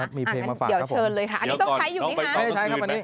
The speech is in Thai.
ใช่ครับมีเพลงมาฝากครับอันนี้ต้องใช้อยู่ไหมครับต้องใช้ครับวันนี้